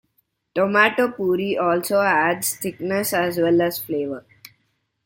Tomato puree also adds thickness as well as flavour.